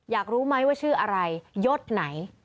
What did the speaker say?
อยากรู้ไหมว่าชื่ออะไรยศไหน